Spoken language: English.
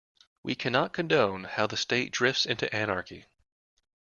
We cannot condone how the state drifts into anarchy.